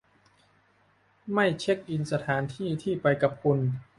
ไม่เช็กอินสถานที่ที่ไปกับคุณ